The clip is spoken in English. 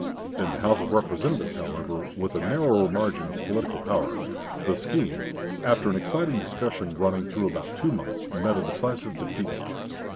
In the House of Representatives, however, with a narrower margin of political power, the scheme, after an exciting discussion running through about two months, met a decisive defeat.